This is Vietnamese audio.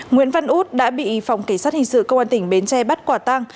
nguyễn văn út đã bị phòng kỳ sát hình sự công an tỉnh bến tre bắt quả tăng